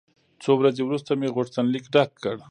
څو ورځې وروسته مې غوښتنلیک ډک کړ.